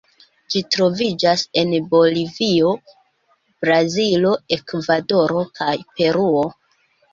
Ĝi troviĝas en Bolivio, Brazilo, Ekvadoro kaj Peruo.